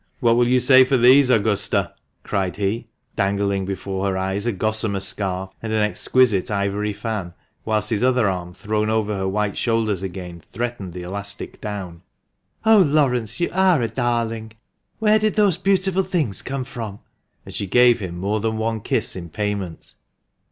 " What will you say for these, Augusta ?" cried he, dangling before her eyes a gossamer scarf and an exquisite ivory fan, whilst his other arm thrown over her white shoulders again threatened the elastic down. " Oh, Laurence, you are a darling ! Where did those beautiful things come from ?" and she gave him more than one kiss in payment.